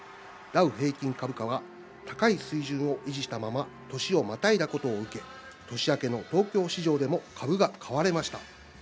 ダウ平均株価が高い水準を維持したまま年をまたいだことを受け、年明けの東京市場でも株が買われました。